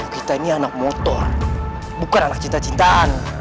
ya enggak sih